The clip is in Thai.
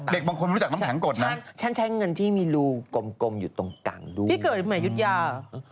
เด็กบางคนไม่รู้จักน้ำแข็งกดนะฉันใช้เงินที่มีรูกลมอยู่ตรงกันด้วยที่เกิดใหม่ยุธยา